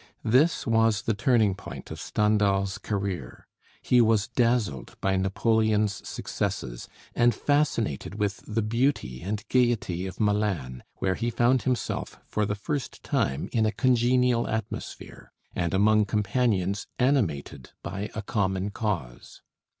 This was the turning point of Stendhal's career. He was dazzled by Napoleon's successes, and fascinated with the beauty and gayety of Milan, where he found himself for the first time in a congenial atmosphere, and among companions animated by a common cause.